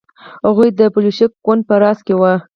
هغوی د بلشویک ګوند په راس کې وو.